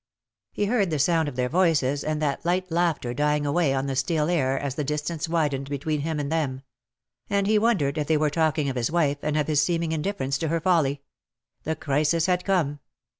He heard the sound of their voices and that light laughter dying away on the still air as the distance widened between him and them ; and he wondered if they were talking of his wife, and of his seeming indifference to her folly. The crisis had come.